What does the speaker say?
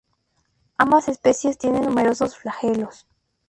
Ambas especies tienen numerosos flagelos.